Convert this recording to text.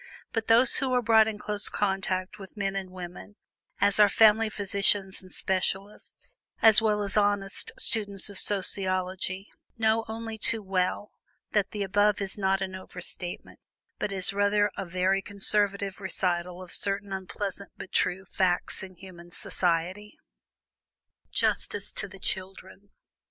But those who are brought in close contact with men and women, as are family physicians and specialists, as well as honest students of sociology, know only too well that the above is not an over statement, but is rather a very conservative recital of certain unpleasant, but true, facts of human society. JUSTICE TO THE CHILDREN.